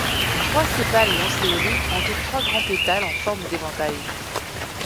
Trois sépales lancéolés entourent trois grands pétales en forme d'éventail.